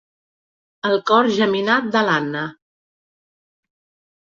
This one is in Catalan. El cor geminat de l'Anna.